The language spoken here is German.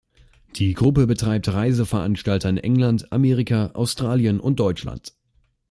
Die Gruppe betreibt Reiseveranstalter in England, Amerika, Australien und Deutschland.